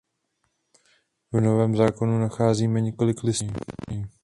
V Novém zákonu nacházíme několik listů od něj.